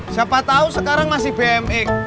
siapa tahu sekarang masih bmx